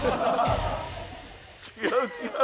違う違う。